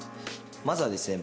まずはですね